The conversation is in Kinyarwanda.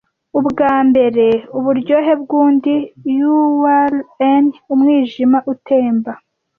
Ubwambere uburyohe bwundi, urn-umwijima utemba;